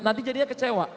nanti jadinya kecewa